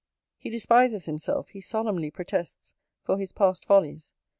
'He despises himself, he solemnly protests, for his past follies.